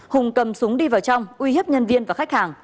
hùng cầm súng đi vào trong uy hiếp nhân viên và khách hàng